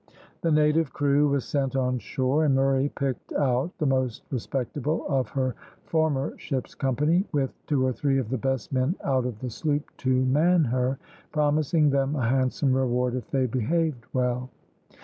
The native crew was sent on shore, and Murray picked out the most respectable of her former ship's company, with two or three of the best men out of the sloop to man her, promising them a handsome reward if they behaved well.